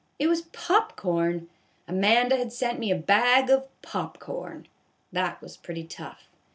It was pop corn ! Amanda had sent me a bag of pop corn ! That was pretty tough.